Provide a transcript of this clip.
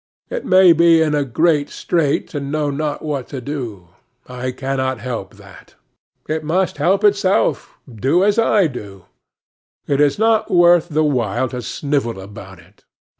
It may be in a great strait, and not know what to do: I cannot help that. It must help itself; do as I do. It is not worth the while to snivel about it.